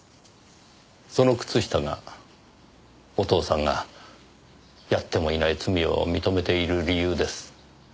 その靴下がお父さんがやってもいない罪を認めている理由です。